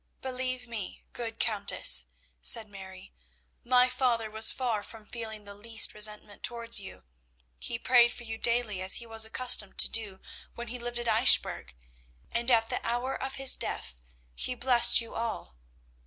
"Believe me, good Countess," said Mary, "my father was far from feeling the least resentment towards you. He prayed for you daily, as he was accustomed to do when he lived at Eichbourg, and at the hour of his death he blessed you all.